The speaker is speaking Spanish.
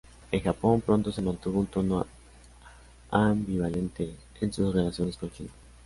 En Japón, pronto se mantuvo un tono ambivalente en sus relaciones con China.